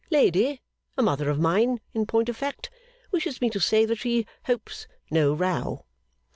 Lady a mother of mine, in point of fact wishes me to say that she hopes no Row.